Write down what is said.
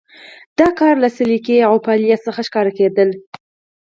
د کار له سلیقې او فعالیت څخه ښکارېدله.